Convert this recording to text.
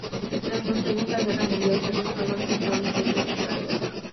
Tras la Segunda Guerra Mundial se restauró a su estado anterior a la guerra.